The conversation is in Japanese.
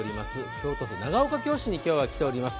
京都府長岡京市に今日は来ております。